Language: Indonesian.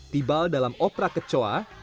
tibal dalam opera kecoa